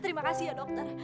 terima kasih ya dokter